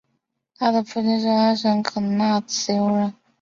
他的父亲是阿什肯纳兹犹太人。